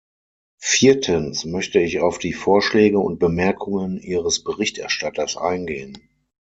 Viertens möchte ich auf die Vorschläge und Bemerkungen Ihres Berichterstatters eingehen.